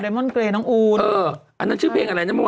อ๋อแดม่อนเกรน้องอู๋นเอออันนั้นชื่อเพลงอะไรน้องอู๋นนะ